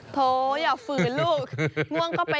โถอย่าฝื่นลูก